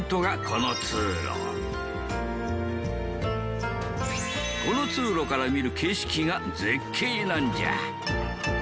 この通路から見る景色が絶景なんじゃ。